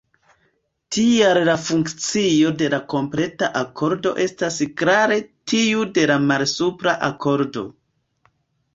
Tial la funkcio de la kompleta akordo estas klare tiu de la malsupra akordo.